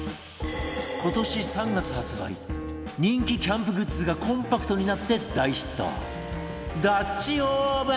今年３月発売人気キャンプグッズがコンパクトになって大ヒット